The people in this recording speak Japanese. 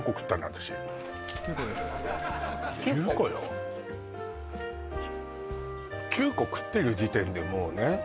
私９個食ってる時点でもうね